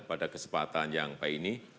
pada kesempatan yang baik ini